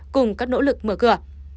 cùng các nỗ lực mở cửa